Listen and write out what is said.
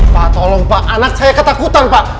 pak tolong pak anak saya ketakutan pak